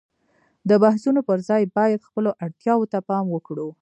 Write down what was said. د بحثونو پر ځای باید خپلو اړتياوو ته پام وکړو.